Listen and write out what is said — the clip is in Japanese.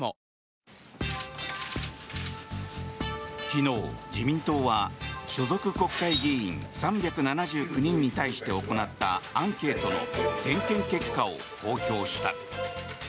昨日、自民党は所属国会議員３７９人に対して行ったアンケートの点検結果を公表した。